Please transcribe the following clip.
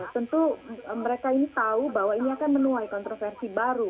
tentu mereka ini tahu bahwa ini akan menuai kontroversi baru